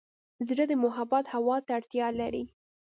زړه د محبت هوا ته اړتیا لري.